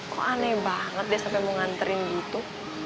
kok aneh banget dia sampe mau nganterin gitu